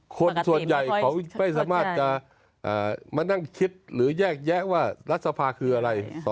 คนส่วนใหญ่เขาไม่สามารถจะมานั่งคิดหรือแยกแยะว่ารัฐสภาคืออะไร